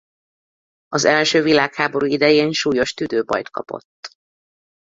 Az első világháború idején súlyos tüdőbajt kapott.